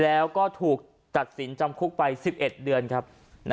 แล้วก็ถูกตัดสินจำคุกไป๑๑เดือนครับ